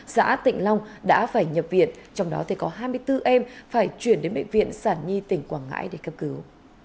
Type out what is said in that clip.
xã tịnh long đã phải nhập viện trong đó có hai mươi bốn em phải chuyển đến bệnh viện sản nhi tỉnh quảng ngãi để cấp cứu